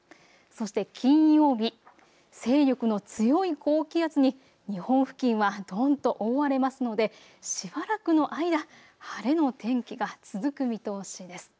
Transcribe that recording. そして金曜日、勢力の強い高気圧に日本付近はどーんと覆われますのでしばらくの間、晴れの天気が続く見通しです。